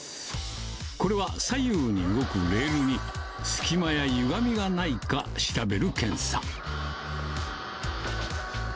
これは左右に動くレールに、隙間やゆがみがないか調べる検査。